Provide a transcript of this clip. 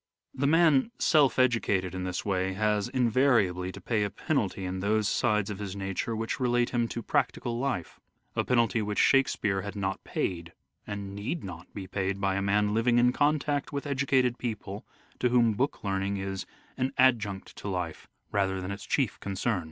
The man " self educated " in this way has invariably to pay a penalty in those sides of his nature which relate him to practical life: a penalty which " Shakespeare " had not paid, and need not be paid by a man living in contact with educated people to whom " book learning " is an " adjunct " to life rather than its chief concern.